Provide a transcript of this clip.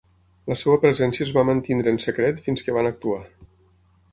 La seva presència es va mantenir en secret fins que van actuar.